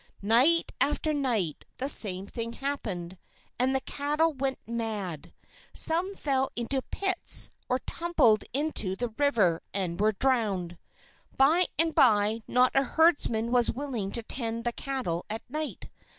Night after night, the same thing happened, and the cattle went mad. Some fell into pits, or tumbled into the river and were drowned. By and by, not a herdsman was willing to tend the cattle at night.